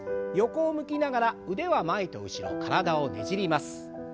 横を向きながら腕は前と後ろ体をねじります。